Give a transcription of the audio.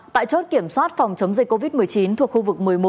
tại chốt kiểm soát phòng chống dịch covid một mươi chín thuộc khu vực một mươi một